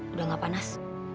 udah gak panas